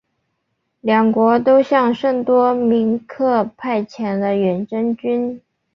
两国都向圣多明克派遣了远征军。